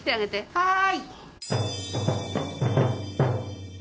はい！